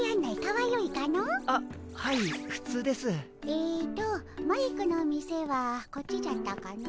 えっとマイクの店はこっちじゃったかの。